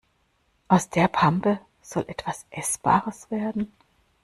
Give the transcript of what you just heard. Aus der Pampe soll etwas Essbares werden?